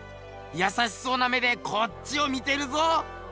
優しそうな目でこっちを見てるぞ。